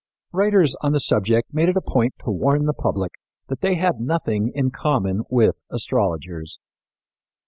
Writers on the subject made it a point to warn the public that they had nothing in common with astrologers.